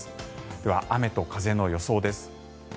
では、雨と風の予想です。